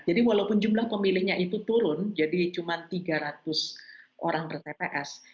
jadi walaupun jumlah pemiliknya itu turun jadi cuma tiga ratus orang bertps